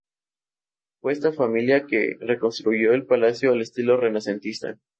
Fue esta familia, que reconstruyó el palacio al estilo renacentista.